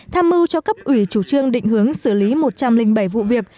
tham mưu cho cấp ủy chủ trương định hướng xử lý một trăm linh bảy vụ việc